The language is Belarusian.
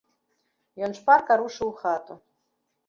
Ён шпарка рушыў у хату.